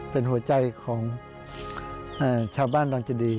เป็นหัวใจของชาวบ้านดอนเจดี